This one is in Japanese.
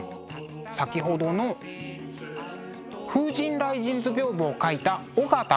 先ほどの「風神雷神図屏風」を描いた尾形光琳の弟です。